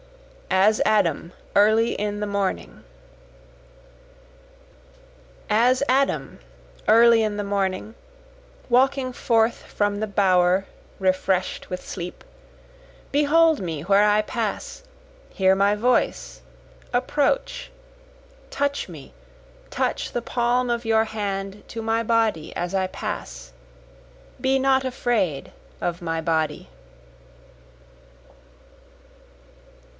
As Adam Early in the Morning As Adam early in the morning, Walking forth from the bower refresh'd with sleep, Behold me where I pass, hear my voice, approach, Touch me, touch the palm of your hand to my body as I pass, Be not afraid of my body.